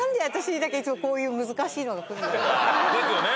何？ですよね。